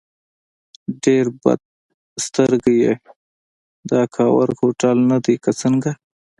ډېر بد سترګی یې، دا کاوور هوټل نه دی که څنګه؟